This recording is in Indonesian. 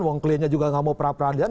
wang kliennya juga tidak mau para peradilan